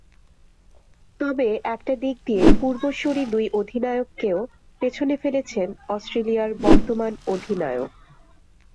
তবে একটা দিক দিয়ে পূর্বসূরি দুই অধিনায়ককেও পেছনে ফেলেছেন অস্ট্রেলিয়ার বর্তমান অধিনায়ক।